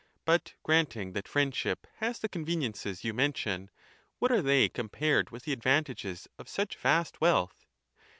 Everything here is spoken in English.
But granting that friendship has the conveniences you mention, what are they compared with the advantages of such vast wealth